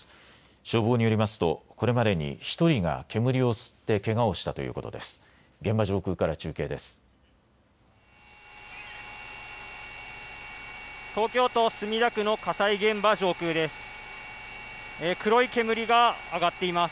消防によりますとこれまでに１人が煙を吸ってけがをしたということです。